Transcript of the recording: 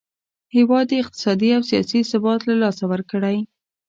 هیواد یې اقتصادي او سیاسي ثبات له لاسه ورکړی.